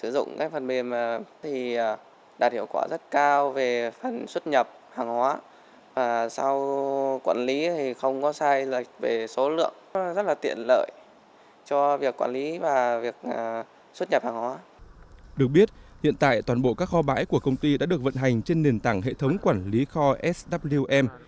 được biết hiện tại toàn bộ các kho bãi của công ty đã được vận hành trên nền tảng hệ thống quản lý kho swm